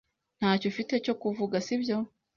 Ntacyo ufite cyo kuvuga, sibyo?